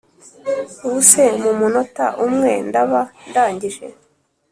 ubuse mumunota umwe ndaba ndangije